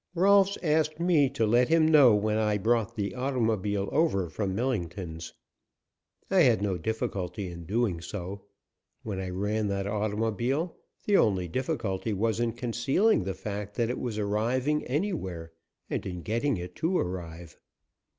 Rolfs asked me to let him know when I brought the automobile over from Millington's. I had no difficulty in doing so. When I ran that automobile the only difficulty was in concealing the fact that it was arriving anywhere and in getting it to arrive.